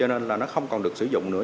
nó không còn được sử dụng nữa